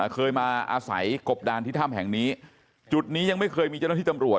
เคยมาอาศัยกบดานที่ถ้ำแห่งนี้จุดนี้ยังไม่เคยมีเจ้าหน้าที่ตำรวจ